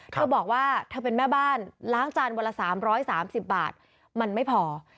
เธอบอกว่าเธอเป็นแม่บ้านล้างจานวันละ๓๓๐บาทมันไม่พอ